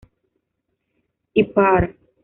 E. Parr.